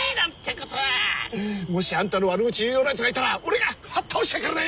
もしあんたの悪口言うようなやつがいたら俺がはっ倒してやっからね！